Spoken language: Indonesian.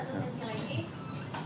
saif satu sesi lagi